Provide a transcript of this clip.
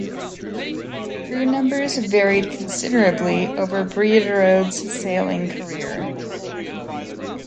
Crew numbers varied considerably over "Bredereode"s sailing career.